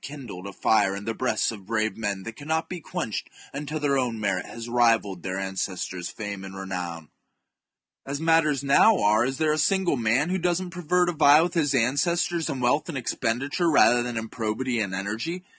12$ kindled a fire in the breasts of brave men that cannot chap. IV. be quenched until their own merit has rivalled their ancestors' fame and renown. As matters now arc, is there a single man who does not prefer to vie with his ancestors in wealth and expenditure rather than in probity and energy